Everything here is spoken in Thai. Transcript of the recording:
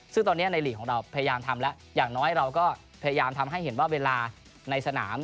ซึ่งตอนนี้ในหลีกเค้าแล้วทราบทั้งอย่างน้อยก็ทำให้เห็นว่าเวลาในสนาม